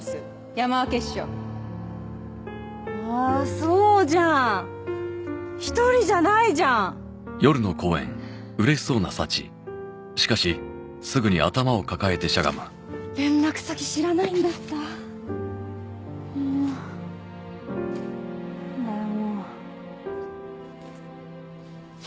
山分けっしああーそうじゃん１人じゃないじゃん連絡先知らないんだったもうなんだよ